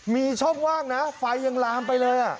มีช่องว่างนะไฟยังลามไปเลย